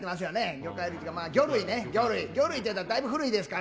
魚介類というか魚類ね、魚類っていうとだいぶ古いですから。